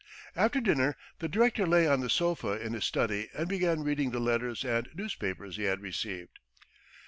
After dinner the director lay on the sofa in his study and began reading the letters and newspapers he had received.